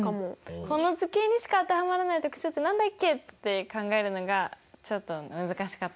この図形にしか当てはまらない特徴って何だっけって考えるのがちょっと難しかったかな。